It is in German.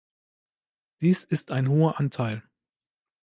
Dies ist ein hoher Anteil.